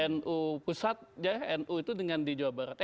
nu pusat nu itu dengan di jawa barat